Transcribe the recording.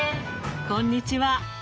こんにちは。